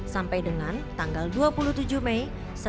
sampai dengan tanggal dua puluh tujuh mei